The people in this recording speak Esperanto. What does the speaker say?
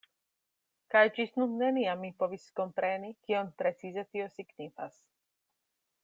Kaj ĝis nun neniam mi povis kompreni kion precize tio signifas.